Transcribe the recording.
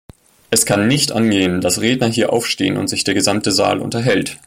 Es kann nicht angehen, dass Redner hier aufstehen und sich der gesamte Saal unterhält.